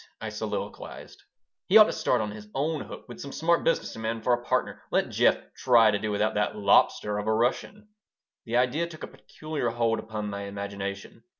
I soliloquized. "He ought to start on his own hook with some smart business man for a partner. Let Jeff try to do without that 'lobster' of a Russian." The idea took a peculiar hold upon my imagination.